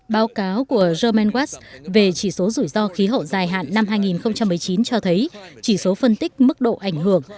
báo cáo của german west về chỉ số rủi ro khí hậu dài hạn năm hai nghìn một mươi chín cho thấy chỉ số phân tích mức độ ảnh hưởng